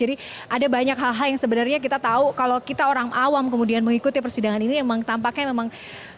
jadi ada banyak hal hal yang sebenarnya kita tahu kalau kita orang awam kemudian mengikuti persidangan ini memang tampaknya memang